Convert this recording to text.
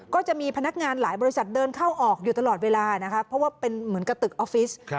ก็จะมีพนักงานหลายบริษัทเดินเข้าออกอยู่ตลอดเวลานะคะเพราะว่าเป็นเหมือนกระตึกออฟฟิศ